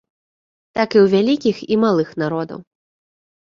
Так і ў вялікіх і малых народаў.